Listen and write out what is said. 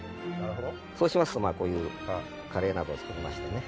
そうしますとまあこういうカレーなどを作りましてね。